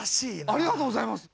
ありがとうございます。